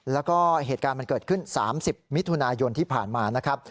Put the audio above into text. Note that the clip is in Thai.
แล้วก็เหตุการณ์มันเกิดขึ้น๓๐มิถุนายนที่ผ่านมานะครับ